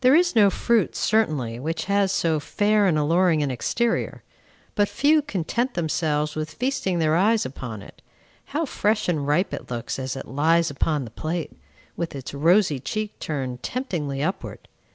There is no fruit, certainly, which has so fair and alluring an exterior; but few content themselves with feasting their eyes upon it. How fresh and ripe it looks as it lies upon the plate, with its rosy cheek turned temptingly upward!